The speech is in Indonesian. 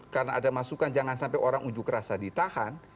karena ada masukan jangan sampai orang ujuk rasa ditahan